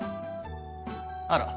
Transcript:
あら。